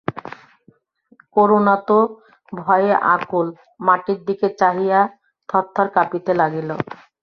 করুণা তো ভয়ে আকুল, মাটির দিকে চাহিয়া থরথর কাঁপিতে লাগিল।